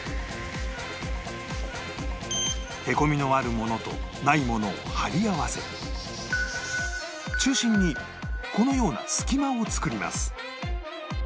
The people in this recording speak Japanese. へこみのあるものとないものを貼り合わせ中心にこのような隙間を作ります